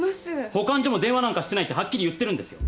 保管所も「電話なんかしてない」ってはっきり言ってるんですよ。